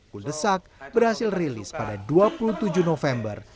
podesak berhasil rilis pada dua puluh tujuh november seribu sembilan ratus sembilan puluh delapan